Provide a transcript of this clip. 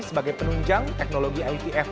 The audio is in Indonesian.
sebagai penunjang teknologi itf